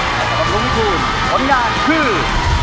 สำหรับลุงวิทูนผลงานคือ